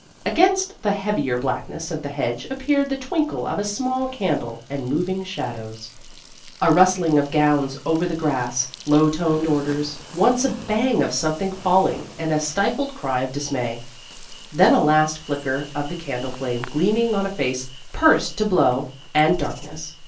Against the heavier blackness of the hedge appeared the twinkle of a small candle and moving shadows. A rustling of gowns over the grass, low toned orders, once a bang of something falling and a stifled cry of dismay, then a last flicker of the candle flame gleaming on a face pursed to blow, and darkness.